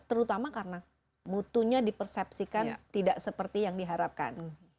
terutama karena mutunya dipersepsikan tidak seperti yang diharapkan